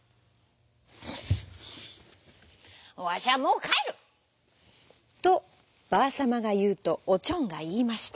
「わしはもうかえる」。とばあさまがいうとおちょんがいいました。